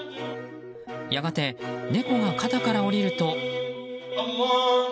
やがて、猫が肩から下りると。